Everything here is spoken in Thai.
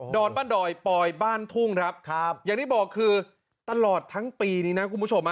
อนบ้านดอยปอยบ้านทุ่งครับอย่างที่บอกคือตลอดทั้งปีนี้นะคุณผู้ชม